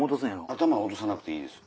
頭落とさなくていいです。